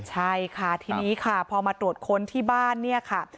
ใช่ค่ะทีนี้ค่ะพอมาตรวจค้นที่บ้านเนี่ยค่ะ